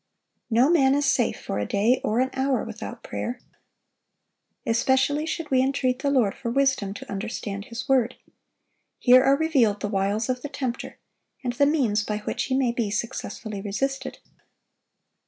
No man is safe for a day or an hour without prayer. Especially should we entreat the Lord for wisdom to understand His word. Here are revealed the wiles of the tempter, and the means by which he may be successfully resisted.